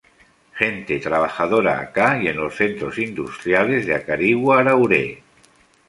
Gente trabajadora acá y en los centros industriales de acarigua araure.